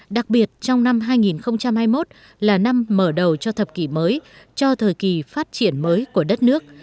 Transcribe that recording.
đặc biệt trong năm hai nghìn hai mươi một là năm mở đầu cho thập kỷ mới cho thời kỳ phát triển mới của đất nước